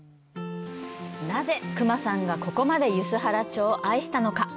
なぜ、隈さんがここまで梼原町を愛したのか。